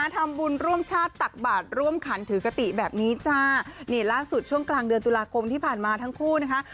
ทำบุญร่วมชาติตักบาทร่วมขันถือกติแบบนี้จ้านี่ล่าสุดช่วงกลางเดือนตุลาคมที่ผ่านมาทั้งคู่นะคะ